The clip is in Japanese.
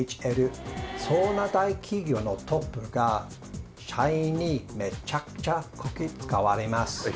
そんな大企業のトップが社員にめちゃくちゃこき使われます。